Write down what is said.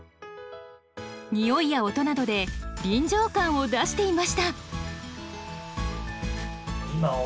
においや音などで臨場感を出していました。